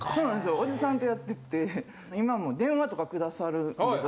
おじさんとやってて今も電話とかくださるんですよ